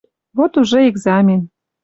Вот уже экзамен